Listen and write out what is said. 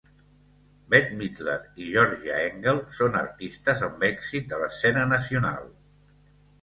Bette Midler i Georgia Engel són artistes amb èxit de l'escena nacional.